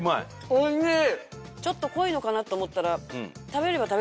おいしい。